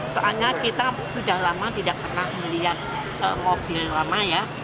soalnya kita sudah lama tidak pernah melihat mobil lama ya